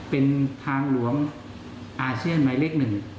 เป็นทางหลวงอาเซียนหมายเลข๑